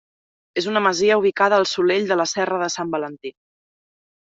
És una masia ubicada al solell de la Serra de Sant Valentí.